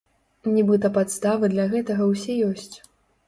Нібыта падставы для гэтага ўсе ёсць.